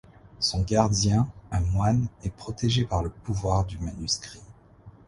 Son Gardien, un moine, est protégé par le pouvoir du manuscrit.